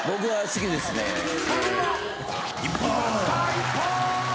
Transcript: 一本！